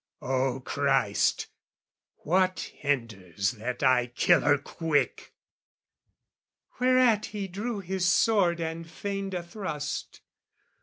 "O Christ, what hinders that I kill her quick?" Whereat he drew his sword and feigned a thrust.